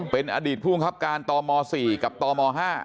เป็นอดีตผู้บังคับการตม๔กับตม๕